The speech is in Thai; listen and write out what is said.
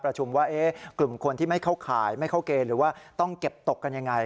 ประชุมว่ากลุ่มคนที่ไม่เข้าข่ายไม่เข้าเกณฑ์หรือว่าต้องเก็บตกกันยังไง